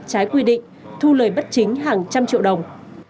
trái quy định thu lời bất chính hàng trăm triệu đồng